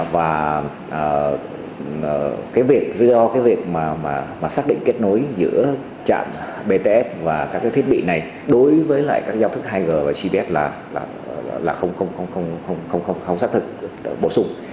và cái việc do cái việc mà xác định kết nối giữa trạm bts và các cái thiết bị này đối với lại các giao thức hai g và cbs là không xác thực bổ sung